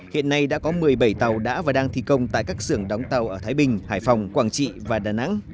hiện nay đã có một mươi bảy tàu đã và đang thi công tại các xưởng đóng tàu ở thái bình hải phòng quảng trị và đà nẵng